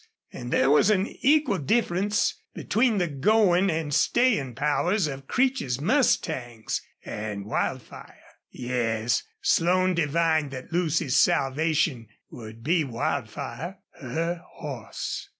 And there was an equal difference between the going and staying powers of Creech's mustangs and Wildfire. Yes, Slone divined that Lucy's salvation would be Wildfire, her horse.